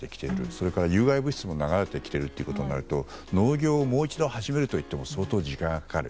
それから有害物質も流れてきているということで農業をもう一度始めるとしても相当時間がかかる。